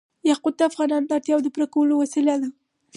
یاقوت د افغانانو د اړتیاوو د پوره کولو وسیله ده.